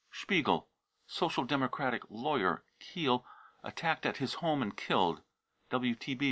spiegel, Social Democratic lawyer, Kiel, attacked at his home and killed.